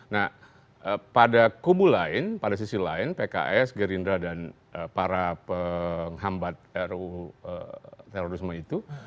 nah pada kubu lain pada sisi lain pks gerindra dan para penghambat ruu terorisme itu